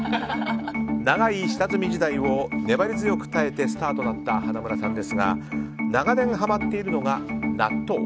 長い下積み時代を粘り強く耐えてスターとなった花村さんですが長年、ハマっているのが納豆。